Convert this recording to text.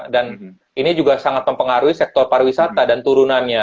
ini juga sangat mempengaruhi sektor pariwisata dan turunannya